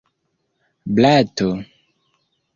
blato